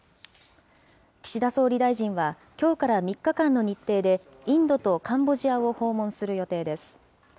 岸田総理大臣は、きょうから３日間の日程で、インドとカンボジアを訪問する予定です。